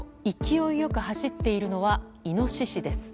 勢いよく走っているのはイノシシです。